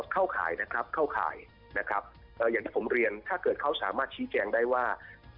เข้าข่ายนะครับเข้าข่ายนะครับอย่างที่ผมเรียนถ้าเกิดเขาสามารถชี้แจงได้ว่า